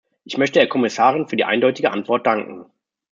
Ich möchte der Kommissarin für die eindeutige Antwort danken.